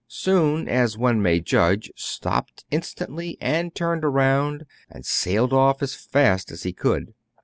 Soun, as one may judge, stopped instantly, and turned round, and sailed off as fast as he could.